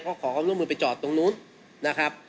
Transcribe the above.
ก็ขอความร่วมมือไปจอดตรงนู้นนะครับ